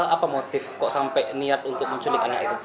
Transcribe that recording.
apa motif kok sampai niat untuk menculik anak itu